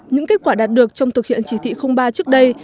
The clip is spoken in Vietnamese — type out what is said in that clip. những kết quả đạt được trong thực hiện chỉ thị ba trước đây